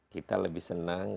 kita lebih senang